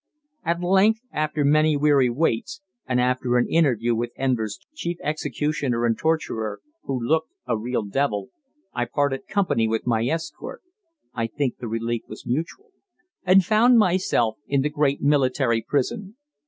At length, after many weary waits, and after an interview with Enver's chief executioner and torturer, who looked a real devil, I parted company with my escort (I think the relief was mutual) and found myself in the great military prison.